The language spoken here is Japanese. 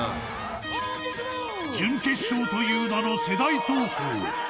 ［準決勝という名の世代闘争］